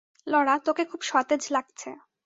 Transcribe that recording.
Laura তোকে খুব সতেজ লাগছে।